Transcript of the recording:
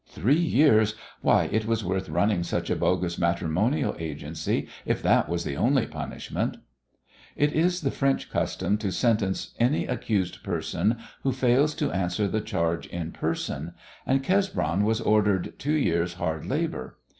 Three years! Why, it was worth running such a bogus matrimonial agency if that was the only punishment. It is the French custom to sentence any accused person who fails to answer the charge in person, and Cesbron was ordered two years' hard labour.